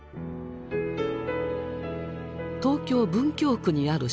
東京・文京区にある仕事場。